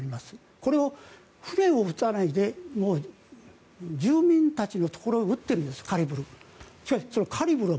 これを船を撃たないで住民たちのところに撃っているんです、カリブルで。